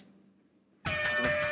いきます。